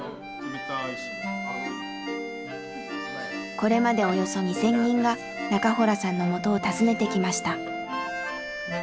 これまでおよそ２，０００人が中洞さんのもとを訪ねてきました。